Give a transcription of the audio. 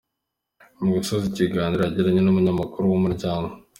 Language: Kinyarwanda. Mu gusoza ikiganiro yagiranye n’umunyamakuru wa Umuryango.